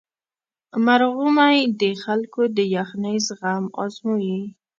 مرغومی د خلکو د یخنۍ زغم ازمويي.